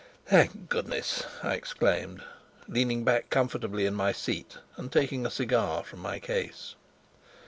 "Thank goodness!" I exclaimed, leaning back comfortably in my seat and taking a cigar from my case.